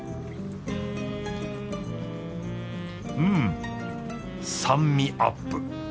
うん酸味アップ